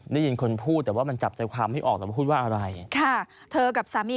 ได้ยินคนพูดแต่ว่ามันจับใจความไม่ออกแต่ว่าพูดว่าอะไรค่ะเธอกับสามี